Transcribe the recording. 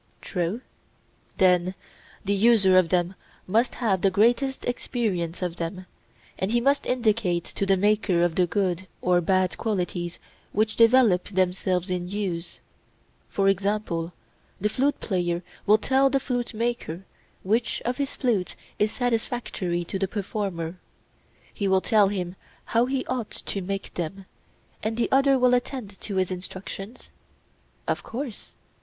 True. Then the user of them must have the greatest experience of them, and he must indicate to the maker the good or bad qualities which develop themselves in use; for example, the flute player will tell the flute maker which of his flutes is satisfactory to the performer; he will tell him how he ought to make them, and the other will attend to his instructions? Of course.